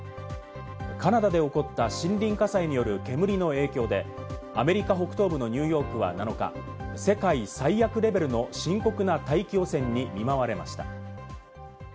カナダで起こった森林火災による煙の影響で、アメリカ北東部のニューヨークは７日、世界最悪レベルの深刻な大気汚染に見舞われました。